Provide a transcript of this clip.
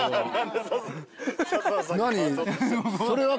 何？